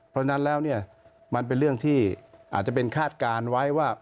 เพราะฉะนั้นแล้วเนี่ยมันเป็นเรื่องที่อาจจะเป็นคาดการณ์ไว้ว่า